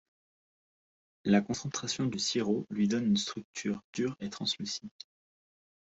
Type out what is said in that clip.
La concentration du sirop lui donne une structure dure et translucide.